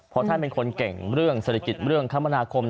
เพราะท่านเป็นคนเห็นเก่งเรื่องศิริกิตเรื่องคำนาคม